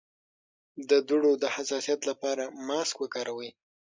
د دوړو د حساسیت لپاره ماسک وکاروئ